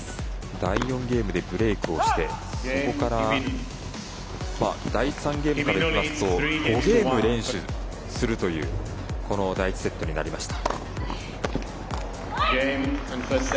第４ゲームでブレークをしてそこから第３ゲームからいきますと５ゲーム連取するというこの第１セットになりました。